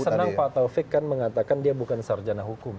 saya senang pak taufik kan mengatakan dia bukan sarjana hukum